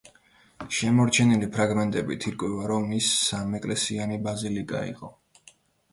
შემორჩენილი ფრაგმენტებით ირკვევა, რომ ის სამეკლესიანი ბაზილიკა იყო.